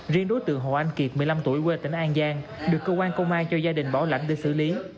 riêng đối tượng hồ anh kiệt một mươi năm tuổi quê tỉnh an giang được cơ quan công an cho gia đình bảo lãnh để xử lý